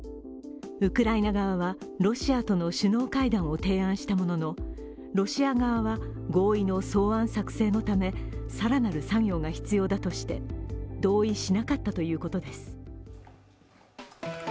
ウクライナ側は、ロシアとの首脳会談を提案したもののロシア側は、合意の草案作成のため更なる作業が必要だとして同意しなかったということです。